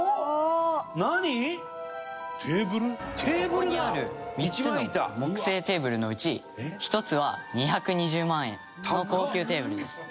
ここにある３つの木製テーブルのうち１つは２２０万円の高級テーブルです。